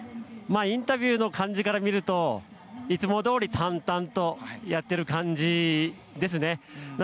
インタビューの感じから見るといつもどおり淡々とやっている感じです。